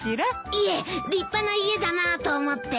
いえ立派な家だなと思って。